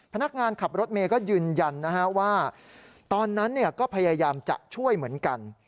พนักงานขับรถเมย์ก็ยืนยันว่าตอนนั้นก็พยายามจะช่วยเหมือนกัน